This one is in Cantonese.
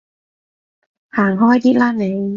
行開啲啦你